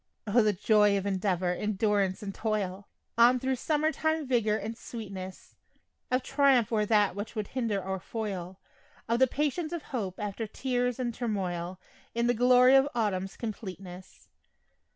O, the joy of endeavor, endurance and toil On thro' summer time vigor and sweetness, Of triumph o'er that which would hinder or foil, Of the patience of hope after tears and turmoil, In the glory of autumn's completeness.